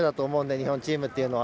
日本チームというのは。